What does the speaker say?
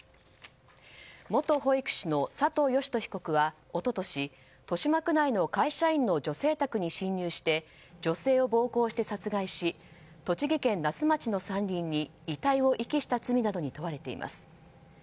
元保育士の佐藤喜人被告は一昨年豊島区内の会社員の女性宅に侵入して女性を暴行して殺害し栃木県那須町の山林に遺体を遺棄した罪などに問われています。